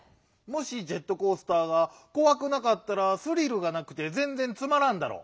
もしジェットコースターがこわくなかったらスリルがなくてぜんぜんつまらんだろ。